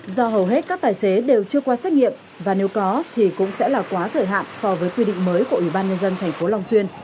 do hầu hết các tài xế đều chưa qua xét nghiệm và nếu có thì cũng sẽ là quá thời hạn so với quy định mới của ủy ban nhân dân tp long xuyên